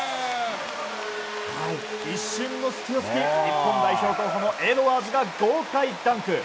一瞬の隙を突き日本代表候補のエドワーズが豪快ダンク。